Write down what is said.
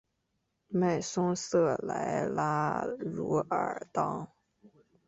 迈松瑟莱拉茹尔当。